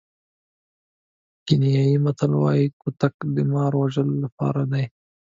کینیايي متل وایي کوتک د مار وژلو لپاره دی.